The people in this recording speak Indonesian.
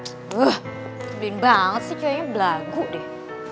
udah kebunin banget sih ceweknya belagu deh